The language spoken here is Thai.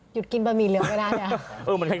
หยุดกินบะหมี่เหลืองไม่ได้